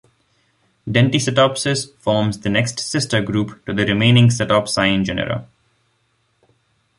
"Denticetopsis" forms the next sister group to the remaining cetopsine genera.